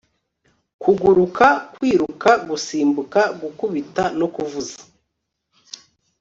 Kuguruka kwiruka gusimbukagukubita no kuvuza